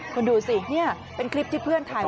คุณดูสินี่เป็นคลิปที่เพื่อนถ่าย